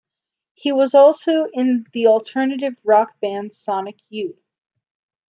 He was also in the alternative rock band Sonic Youth.